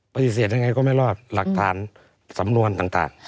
ปฏิเสธยังไงก็ไม่รอดหลักฐานสำนวนต่าง